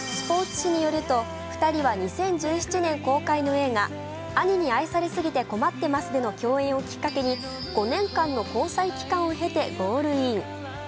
紙によると、２人は２０１７年公開の映画、「兄に愛されすぎて困ってます」での共演をきっかけに５年間の交際期間を経てゴールイン。